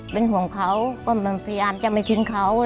เป็นห่วงเขาว่ามันพยายามจะไม่ทิ้งเขา